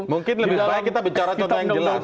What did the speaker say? mungkin lebih baik kita bicara contoh yang jelas